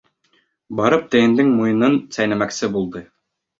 Барып тейендең муйынын сәйнәмәксе булды.